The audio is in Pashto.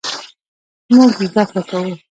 مونږ زده کړه کوو